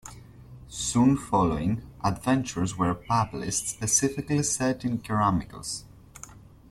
Soon following, adventures were published specifically set in Karameikos.